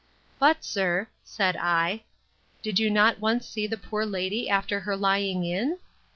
—But, sir, said I, did you not once see the poor lady after her lying in?